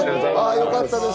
よかったです。